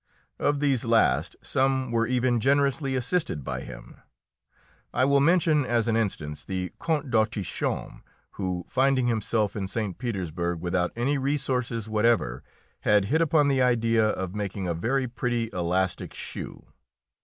Of these last some were even generously assisted by him. I will mention as an instance the Count d'Autichamp, who, finding himself in St. Petersburg without any resources whatever, had hit upon the idea of making a very pretty elastic shoe.